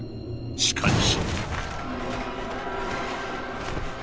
しかし。